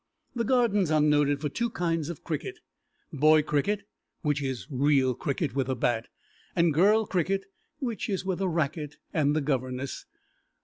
The Gardens are noted for two kinds of cricket: boy cricket, which is real cricket with a bat, and girl cricket, which is with a racquet and the governess.